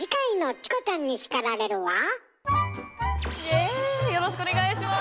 ウェよろしくお願いします。